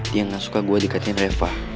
dia gak suka gue dikatin reva